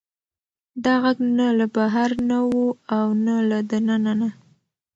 دا غږ نه له بهر نه و او نه له دننه نه.